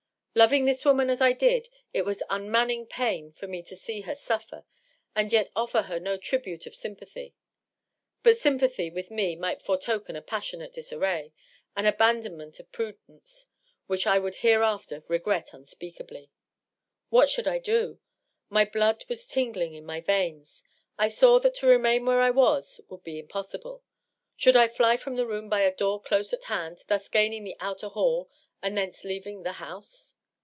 Loving this woman as I did, it was unmanning pain for me to see her suffer and yet offer her no tribute of sympathy. .. But sympathy, with me, might foretoken a passionate disarray, an abandonment of prudence, which I would hereafter r^et unspeakably. 686 DOUGLAS DUANE. What should I do ? My blood was tingling in my veins. I saw that to remain where I was would be impossible. Should I fly from the room by a door close at hand^ thus gaining the outer hall^ and thenoe leaving the house?